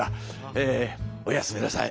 えおやすみなさい。